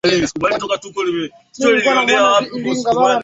kumbuka sio orodha ya wajibu ni mwongozo